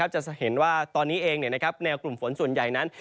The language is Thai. จะเห็นว่าตอนนี้เองแนวกลุ่มฝนส่วนใหญ่นั้น